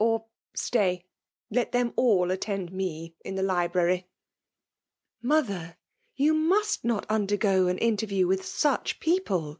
Or stay !— let them all attend me in the library. '' Mother ! you must not undergo an in terview with such people